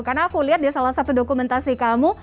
karena aku lihat di salah satu dokumentasi kamu